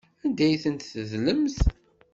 Anda ay tent-tedlemt?